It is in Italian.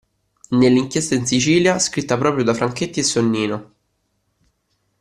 Nell'Inchiesta in Sicilia, scritta proprio da Franchetti e Sonnino.